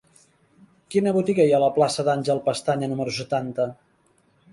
Quina botiga hi ha a la plaça d'Àngel Pestaña número setanta?